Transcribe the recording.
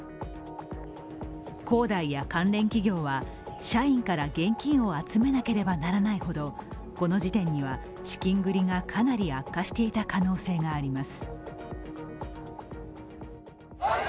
恒大や関連企業は社員から現金を集めなければならないほどこの時点には、資金繰りがかなり悪化していた可能性があります。